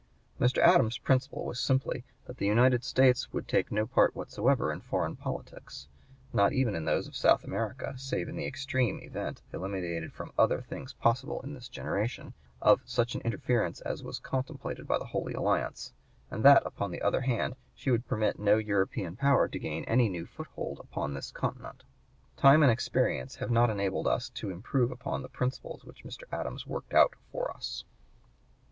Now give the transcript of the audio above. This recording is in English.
Mr. Adams's principle was simply that the United States would take no part whatsoever in foreign politics, not even in those of South America, save in the extreme event, eliminated from among things possible in this generation, of such an interference as was contemplated by the Holy Alliance; and that, on the other hand, she would permit no European power to gain any new foothold upon this continent. Time and experience have not enabled us to improve upon the principles which Mr. Adams worked out for us.